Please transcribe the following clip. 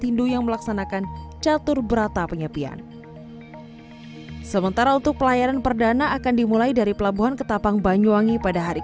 hindu yang melaksanakan catur berata penyepian sementara untuk pelayaran perdana akan dimulai dari pelabuhan ketapang banyuwangi pada hari